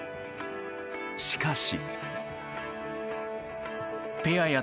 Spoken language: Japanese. しかし。